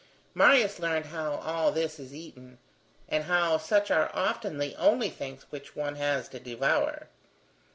Marius learned how all this is eaten, and how such are often the only things which one has to devour.